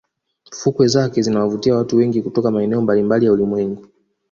Fukwe zake zinawavutia watu wengi kutoka maeneo mbalimbali ya ulimwengu